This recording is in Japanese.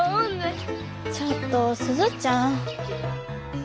ちょっと鈴ちゃん。